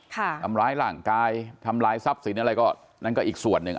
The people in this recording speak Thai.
ทำร้ายร่างกายทำร้ายทรัพย์สินอะไรก็นั่นก็อีกส่วนหนึ่ง